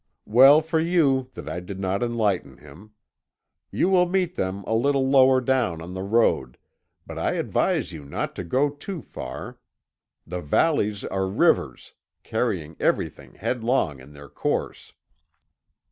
Well for you that I did not enlighten him. You will meet them a little lower down on the road, but I advise you not to go too far. The valleys are rivers, carrying everything, headlong, in their course."